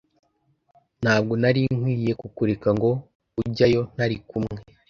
Ntabwo nari nkwiye kukureka ngo ujyayo ntari kumwe.